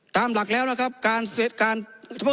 ตามหลักแล้วนะครับ